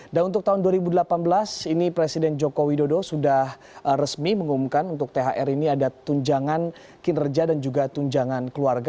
dan untuk tahun dua ribu delapan belas ini presiden jokowi dodo sudah resmi mengumumkan untuk thr ini ada tunjangan kinerja dan juga tunjangan keluarga